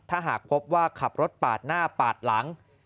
ถ้าหากพบว่าขับรถปาดหน้าปาดหลัง